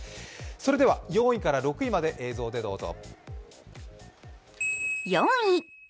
それでは４位から６位まで映像でどうぞ。